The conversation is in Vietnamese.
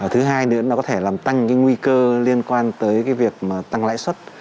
thứ hai nữa nó có thể làm tăng nguy cơ liên quan tới việc tăng lãi suất